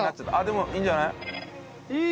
でもいいんじゃない？